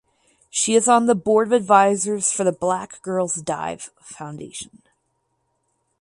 She is on the Board of Advisors for the Black Girls Dive Foundation.